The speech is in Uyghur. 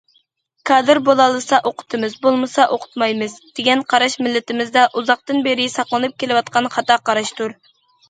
كادىر بولالىسا ئوقۇتىمىز، بولمىسا ئوقۇتمايمىز، دېگەن قاراش مىللىتىمىزدە ئۇزاقتىن بېرى ساقلىنىپ كېلىۋاتقان خاتا قاراشتۇر.